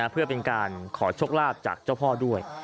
เพื่อเป็นการขอโชคลาภจากเจ้าพ่อด้วย